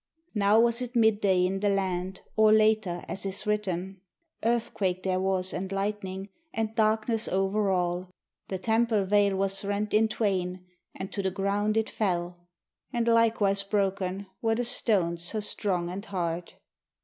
Now was it midday in the land, or later, as is written. Earthquake there was and lightning, and darkness over all; The Temple Veil was rent in twain, and to the ground it fell, And likewise broken were the stones so strong and hard.